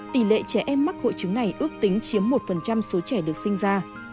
tỷ lệ trẻ em mắc hội chứng này ước tính chiếm một số trẻ được sinh ra